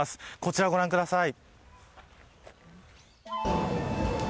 こちら、ご覧ください。